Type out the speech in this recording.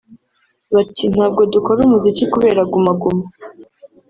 Bati “Ntabwo dukora umuziki kubera ‘Guma Guma’